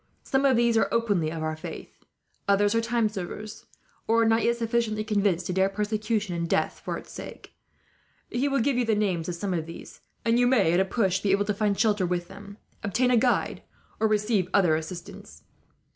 Some of these are openly of our faith, others are time servers, or are not yet sufficiently convinced to dare persecution and death for its sake. He will give you the names of some of these; and you may, at a push, be able to find shelter with them, obtain a guide, or receive other assistance.